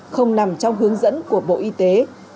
không nằm trong hướng dẫn của bộ y tế